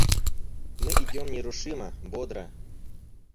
Мы идем нерушимо, бодро.